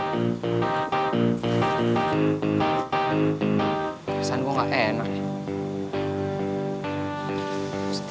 perasaan gue gak enak nih